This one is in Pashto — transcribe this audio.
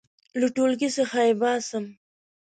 • له ټولګي څخه یې باسم.